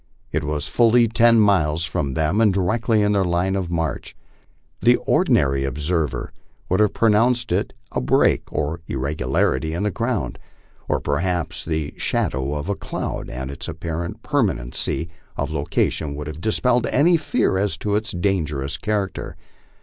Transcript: It was fully ten miles from them and directly in their line of march. The ordinary observer would have pronounced it a break or irregularity in the ground, or perhaps the shadow of a cloud, and its apparent permanency of location would have dispelled any fear as to its dangerous character.